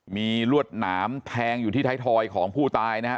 มีลวดหนามแทงอยู่ที่ไทยทอยของผู้ตายนะฮะ